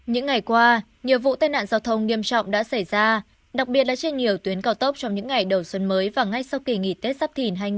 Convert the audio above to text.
những ngày qua nhiều vụ tai nạn giao thông nghiêm trọng đã xảy ra đặc biệt là trên nhiều tuyến cao tốc trong những ngày đầu xuân mới và ngay sau kỳ nghỉ tết giáp thìn hai nghìn hai mươi bốn